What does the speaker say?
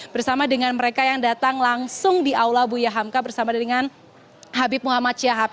bersama dengan mereka yang datang langsung di aula buya hamka bersama dengan habib muhammad syahab